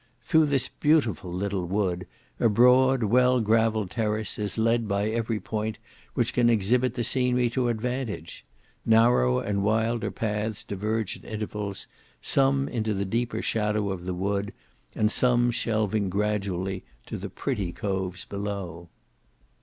Through this beautiful little wood, a broad well gravelled terrace is led by every point which can exhibit the scenery to advantage; narrower and wilder paths diverge at intervals, some into the deeper shadow of the wood, and some shelving gradually to the pretty coves below.